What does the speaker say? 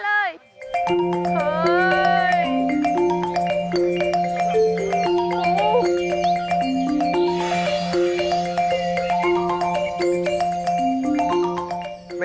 เมนูปลา